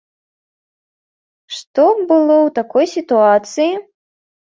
Што б было ў такой сітуацыі?